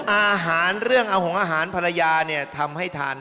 อาหารเรื่องเอาหงอาหารภรรยาเนี่ยทำให้ทาน